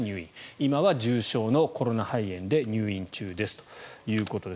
今は重症のコロナ肺炎で入院中ですということです。